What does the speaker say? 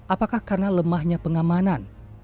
apakah karena lemahnya pengamanan